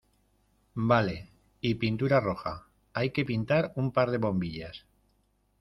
vale. y pintura roja . hay que pintar un par de bombillas .